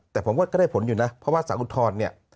แต่ผมก็ได้ผลอยู่นะเพราะว่าสารอุทธรณ์เนี่ย